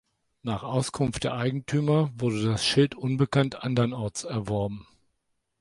Nach Auskunft der Eigentümer wurde das Schild unbekannt anderenorts erworben.